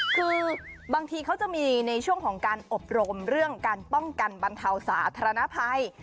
คือบางทีเขาจะมีในช่วงของการอบรมเรื่องการป้องกันบรรเทาสาธารณภัย